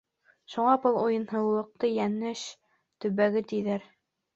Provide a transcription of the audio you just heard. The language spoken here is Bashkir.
Шуға был уйһыулыҡты Йәнеш төбәге тиҙәр.